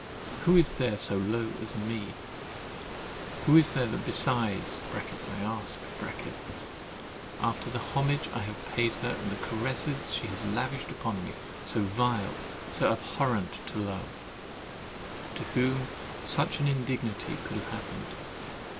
Who is there so low as me? Who is there besides (I ask) after the homage I have paid her and the caresses she has lavished on me, so vile, so abhorrent to love, to whom such an indignity could have happened?